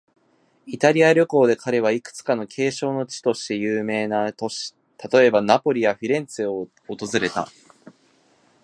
イタリア旅行で彼は、いくつか景勝の地として有名な都市、例えば、ナポリやフィレンツェを訪れた。